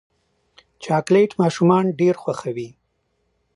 چاکلېټ ماشومان ډېر خوښوي.